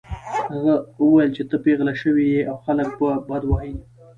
هغه وویل چې ته پیغله شوې يې او خلک به بد وايي